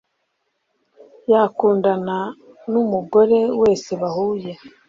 Yakundana numugore wese bahuye